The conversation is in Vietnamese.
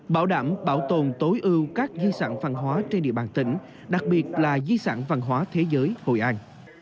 bảo đảm bảo tồn tối ưu các di sản văn hóa trên địa bàn tỉnh đặc biệt là di sản văn hóa thế giới hội an